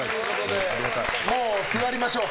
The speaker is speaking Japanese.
もう座りましょう。